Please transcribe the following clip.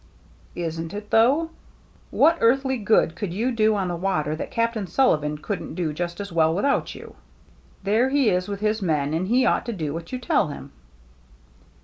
" Isn't it, though ? What earthly good could you do on the water that Captain Sullivan couldn't do just as well without you ? There he is with his men, and he ought to do what you tell him."